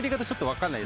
分かんない。